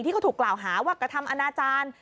เขาถูกกล่าวหาว่ากระทำอนาจารย์